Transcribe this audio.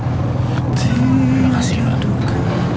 terima kasih pak